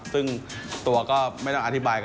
ซึ่งตัวก็ไม่ต้องอธิบาย